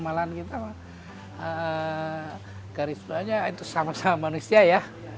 malahan kita garisnya itu sama sama manusia ya